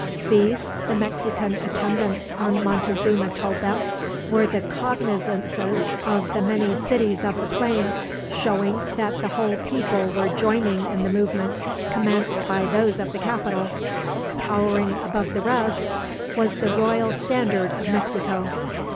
These, the Mexican attendants on Montezuma told them, were the cognizances of the many cities of the plain, showing that the whole people were joining in the movement commenced by those of the capital. Towering above the rest was the royal standard of Mexico.